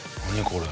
これ。